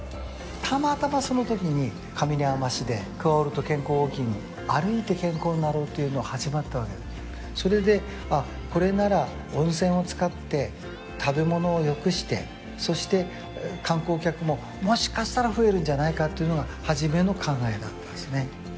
たまたまその時に上山市でクアオルト健康ウォーキング歩いて健康になろうっていうのが始まったわけでそれでこれなら温泉を使って食べ物をよくしてそして観光客ももしかしたら増えるんじゃないかっていうのが初めの考えなんですね